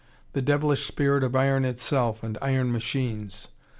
The devilish spirit of iron itself, and iron machines.